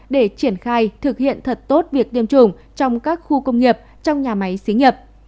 để triển khai thực hiện thật tốt việc tiêm chủng trong các khu công nghiệp trong nhà máy xí nghiệp